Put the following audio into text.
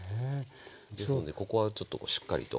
ですのでここはちょっとしっかりと。